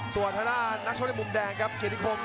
ส่วนพระด้านนักชบในมุมแดงครับเกดนิคม